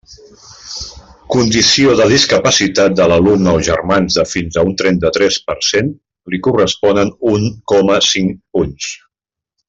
Condició de discapacitat de l'alumne o germans de fins a un trenta-tres per cent, li corresponen un coma cinc punts.